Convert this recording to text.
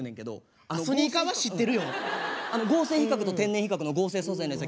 合成皮革と天然皮革の合成素材のやつ